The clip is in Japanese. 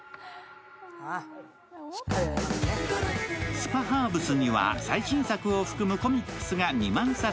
スパハーブスには最新作を含むコミックスが２万冊。